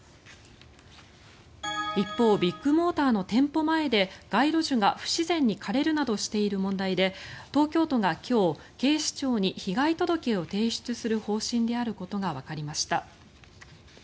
一方、ビッグモーターの店舗前で街路樹が不自然に枯れるなどしている問題で東京都が今日警視庁に被害届を提出する方針であることがわかりました。